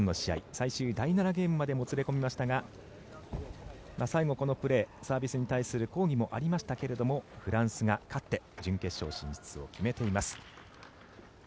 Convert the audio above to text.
最終第７ゲームまでもつれ込みましたが最後のこのプレーサービスに対する抗議もありましたがフランスが勝って準決勝進出を決めています。